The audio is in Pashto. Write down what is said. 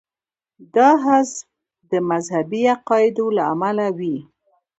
دا حذف د مذهبي عقایدو له امله وي.